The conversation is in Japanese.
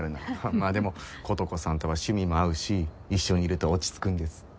まあでも琴子さんとは趣味も合うし一緒にいると落ち着くんです。